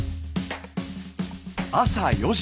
朝４時。